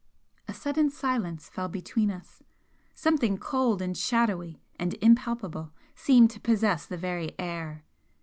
A sudden silence fell between us; something cold and shadowy and impalpable seemed to possess the very air.